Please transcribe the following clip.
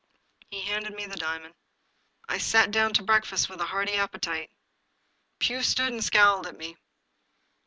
He handed me the diamond. I sat down to breakfast with a hearty appetite. Pugh stood and scowled at me.